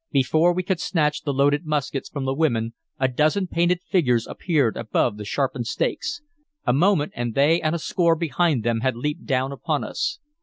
Before we could snatch the loaded muskets from the women a dozen painted figures appeared above the sharpened stakes. A moment, and they and a score behind them had leaped down upon us.